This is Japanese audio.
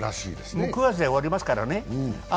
もう９月で終わりますからね。